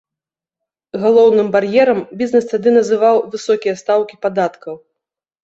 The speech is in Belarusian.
Галоўным бар'ерам бізнес тады называў высокія стаўкі падаткаў.